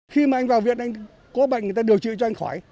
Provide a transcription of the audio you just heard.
khi mà anh vào viện anh có bệnh người ta điều trị cho anh khỏi